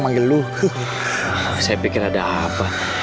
pak salah saya apa pak